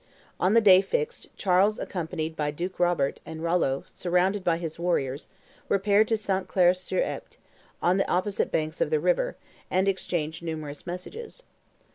On the day fixed, Charles accompanied by Duke Robert, and Rollo, surrounded by his warriors, repaired to St. Clair sur Epte, on the opposite banks of the river, and exchanged numerous messages.